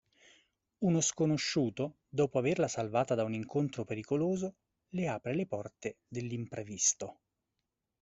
Uno sconosciuto dopo averla salvata da un incontro pericoloso, le apre le porte dell'imprevisto.